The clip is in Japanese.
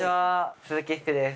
鈴木福です。